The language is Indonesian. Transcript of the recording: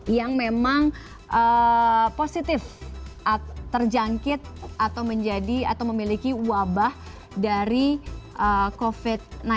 yang positif terjangkit atau memiliki wabah dari covid sembilan belas